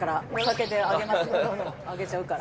アゲちゃうから。